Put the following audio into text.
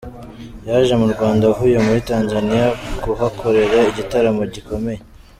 Yaje mu Rwanda avuye muri Tanzania kuhakorera igitaramo gikomeye.